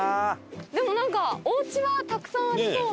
でもなんかおうちはたくさんありそうな。